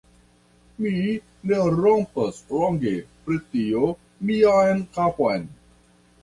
Mi ne rompas longe pri tio mian kapon.